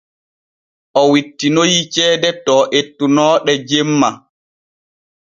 O wittinoyii ceede to ettunoo ɗe jemma.